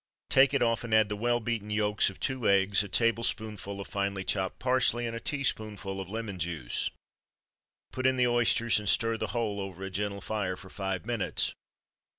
Take it off, and add the well beaten yolks of two eggs, a tablespoonful of finely chopped parsley, and a teaspoonful of lemon juice. Put in the oysters, and stir the whole over a gentle fire for five minutes.